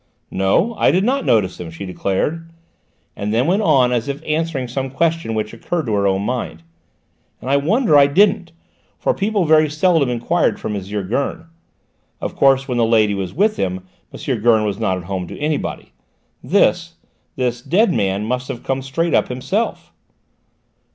"No, I did not notice him," she declared, and then went on as if answering some question which occurred to her own mind. "And I wonder I didn't, for people very seldom enquired for M. Gurn; of course when the lady was with him M. Gurn was not at home to anybody. This this dead man must have come straight up himself."